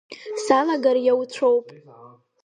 Салагар иауцәоуп.